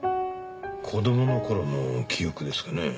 子供の頃の記憶ですかね。